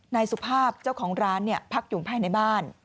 นายสุภาพเจ้าของร้านพักอยู่ภายในบ้าน